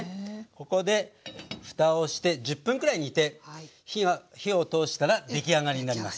ここでふたをして１０分くらい煮て火を通したら出来上がりになります。